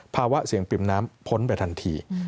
ภาวะเสี่ยงปริ่มน้ำพ้นไปทันที